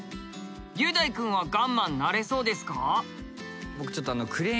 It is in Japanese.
雄大くんはガンマンなれそうですか？